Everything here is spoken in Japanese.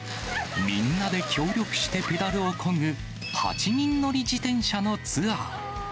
みんなで協力してペダルをこぐ、８人乗り自転車のツアー。